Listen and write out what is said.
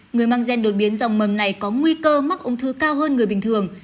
người mang gen đột biến dòng mầm này có nguy cơ mắc ung thư cao hơn người bình thường